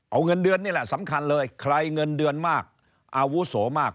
เอาเงินเดือนนี่แหละสำคัญเลยใครเงินเดือนมากอาวุโสมาก